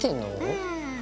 うん。